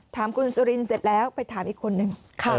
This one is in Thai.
ถามคุณสุรินเสร็จแล้วไปถามอีกคนนึง